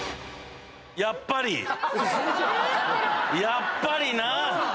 やっぱりな！